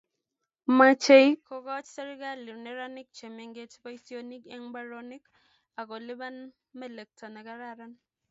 Mochei kokoch serkali neranik che mengech boisionik eng mbaronik akolipan melekto ne kararan